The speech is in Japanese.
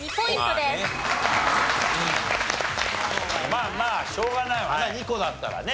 まあまあしょうがないわな２個だったらね。